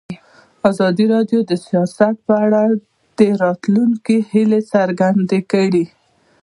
ازادي راډیو د سیاست په اړه د راتلونکي هیلې څرګندې کړې.